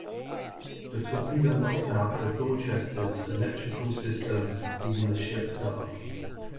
The torpedo knocked out the "Dorchester"s electrical system, leaving the ship dark.